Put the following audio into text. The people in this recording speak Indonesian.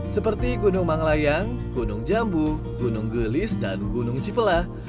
seperti gunung manglayang gunung jambu gunung gelis dan gunung cipelah